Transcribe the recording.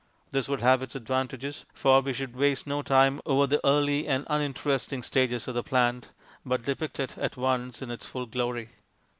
This would have its advantages, for we should waste no time over the early and uninteresting stages of the plant, but depict it at once in its full glory.